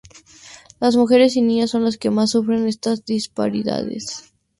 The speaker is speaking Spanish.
Las mujeres y niñas son las que más sufren estas disparidades.